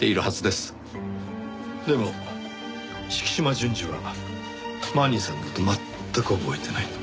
でも敷島純次はマニーさんの事を全く覚えていないと。